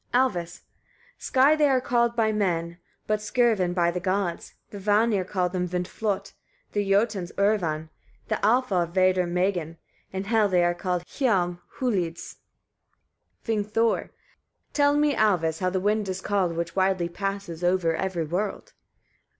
Alvis. 19. Sky they are called by men, but skurvan by the gods; the Vanir call them vindflot, the Jotuns urvan, the Alfar vedrmegin; in Hel they are called hialm hulids. Vingthor. 20. Tell me, Alvis! etc., how the wind is called, which widely passes over every world.